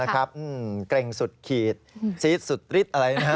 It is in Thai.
เกร็งสุดขีดซีดสุดริดอะไรนะครับ